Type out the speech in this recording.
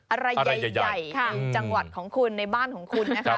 อะไรใหญ่ของจังหวัดของคุณในบ้านของคุณนะคะ